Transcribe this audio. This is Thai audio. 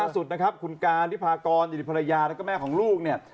สุดนะครับคุณการยฤทธิ์ภากรธิพยาและก็แม่ของลูกเนี่ย